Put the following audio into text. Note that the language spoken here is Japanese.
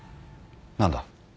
何だ？